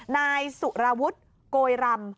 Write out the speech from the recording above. นายสุรวุฒิโกยรำ